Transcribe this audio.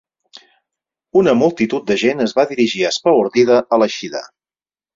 Una multitud de gent es va dirigir espaordida a l’eixida.